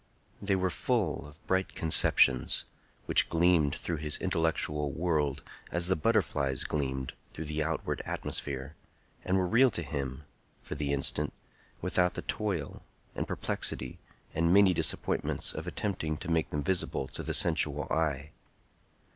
They were full of bright conceptions, which gleamed through his intellectual world as the butterflies gleamed through the outward atmosphere, and were real to him, for the instant, without the toil, and perplexity, and many disappointments of attempting to make them visible to the sensual eye.